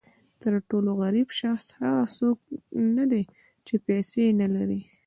تر ټولو غریب شخص هغه څوک نه دی چې پیسې نه لري.